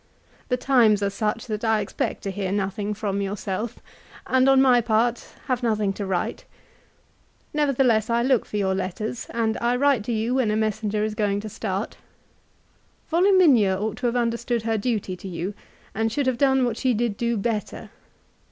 The times are such that I expect to hear nothing from yourself, and on my part have nothing to write. Nevertheless, I look for your letters, and I write to you when a messenger is going to start. Voluminia ought to have understood her duty to you, and should have done what she did do better.